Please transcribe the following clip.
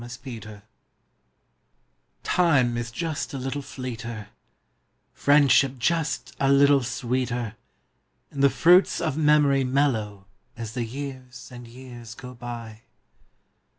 A597234 IME is "just a little fleeter; priendship just a little sweeter; And the jruits of memoru mellcrcO ' I As the Ljears and Ejears ao btj.